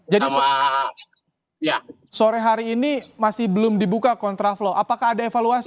jadi sore hari ini masih belum dibuka kontraplo apakah ada evaluasi